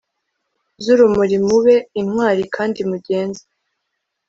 z'urumuri, mube intwari kandi mugenze